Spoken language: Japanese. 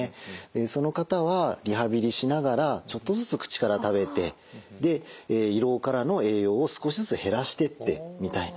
その方はリハビリしながらちょっとずつ口から食べてで胃ろうからの栄養を少しずつ減らしてってみたいな。